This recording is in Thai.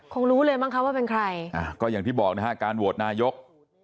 คงรู้เลยมั้งคะว่าเป็นใครก็อย่างที่บอกนะฮะการโหวตนายก